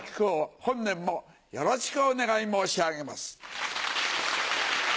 本年もよろしくお願い申し上げます。